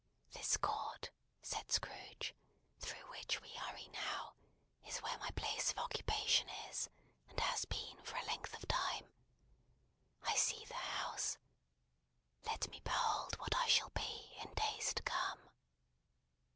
"This court," said Scrooge, "through which we hurry now, is where my place of occupation is, and has been for a length of time. I see the house. Let me behold what I shall be, in days to come!"